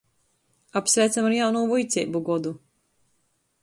Apsveicam ar jaunū vuiceibu godu!